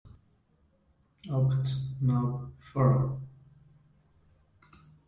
Oct-Nov, fr.